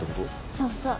そうそう。